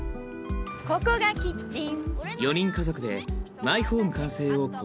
ここがキッチン。